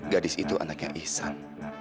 gadis itu anaknya ihsan